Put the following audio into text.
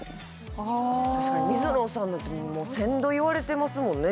あ確かに水野さんだともう千度言われてますもんね